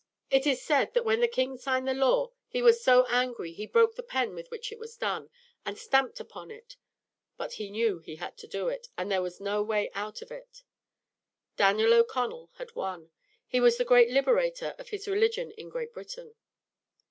It is said that when the king signed the law he was so angry he broke the pen with which it was done, and stamped upon it. But he knew he had to do it, and there was no way out of it. [Illustration: THE MONUMENT TO DANIEL O'CONNELL.] Daniel O'Connell had won. He was the great Liberator of his religion in Great Britain.